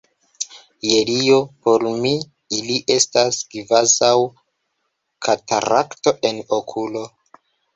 Je Dio, por mi ili estas kvazaŭ katarakto en okulo!